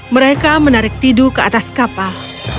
mereka menarik tidu ke atas kapal